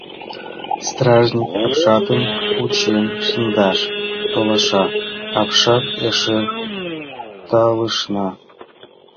Стражник апшатым кучен шындаш толаша, апшат эше талышна.